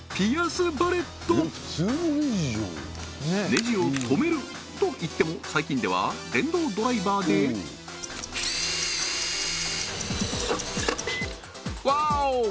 ネジをとめるといっても最近では電動ドライバーでワオ！